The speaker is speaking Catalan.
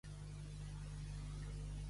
Saber-ho tot com el beabà.